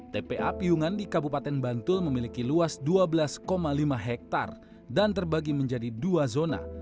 tpa piyungan di kabupaten bantul memiliki luas dua belas lima hektare dan terbagi menjadi dua zona